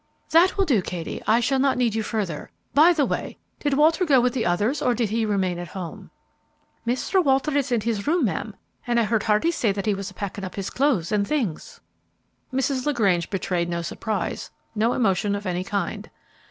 "That will do, Katie; I shall not need you further. By the way, did Walter go with the others, or did he remain at home?" "Mr. Walter is in his room, ma'am; and I heard Hardy say that he was packing up his clothes and things." Mrs. LaGrange betrayed no surprise, no emotion of any kind.